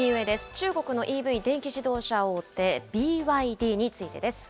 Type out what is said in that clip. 中国のＥＶ・電気自動車大手、ＢＹＤについてです。